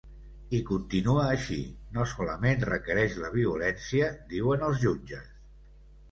I continua així: No solament requereix la violència, diuen els jutges.